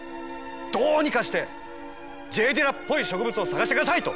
どうにかしてＪ・ディラっぽい植物を探してくださいと！